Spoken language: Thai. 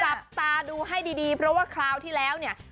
จับตาดูให้ดีเพราะว่าคราวที่แล้วเนี่ย